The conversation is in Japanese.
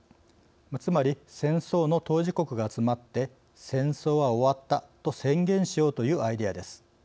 つまり戦争の当事国が集まって「戦争は終わった」と宣言しようというアイデアです。